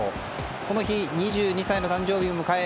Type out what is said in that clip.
この日、２２歳の誕生日を迎え